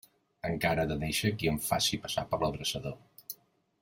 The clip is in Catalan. Encara ha de néixer qui em faci passar per l'adreçador.